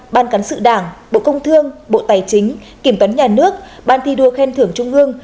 ban cán sự đảng bộ công thương bộ tài chính kiểm toán nhà nước ban thi đua khen thưởng trung ương